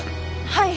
はい。